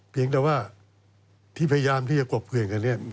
เพียงแต่ว่าที่พยายามที่จะกลบเกลี่ยงกันเนี่ย